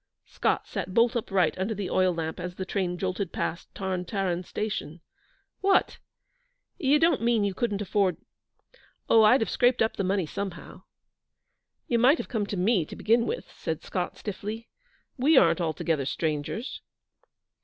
Scott sat bolt upright under the oil lamp as the train jolted past Tarn Taran station. 'What! You don't mean you couldn't afford ' 'Oh, I'd have scraped up the money somehow.' 'You might have come to me, to begin with,' said Scott, stiffly; 'we aren't altogether strangers.'